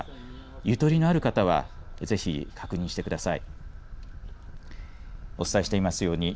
ゆとりのある方はぜひ、確認してください。